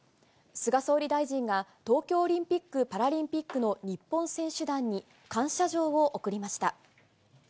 菅総理大臣が、東京オリンピック・パラリンピックの日本選手団に、感謝状を贈りました。